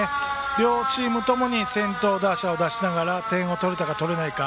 両チーム共に先頭打者を出しながら点を取れたか、取れなかったか。